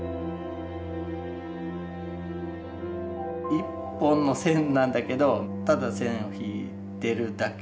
一本の線なんだけどただ線を引いてるだけじゃなくて。